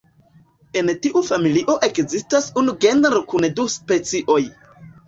En tiu familio ekzistas unu genro kun du specioj.